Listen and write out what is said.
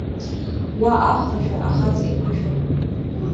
Уа ахәрашәа ахаҵа иԥышәагоуп…